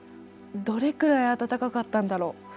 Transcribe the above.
どれくらい暖かかったんだろう。